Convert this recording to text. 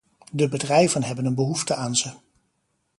De bedrijven hebben een behoefte aan ze.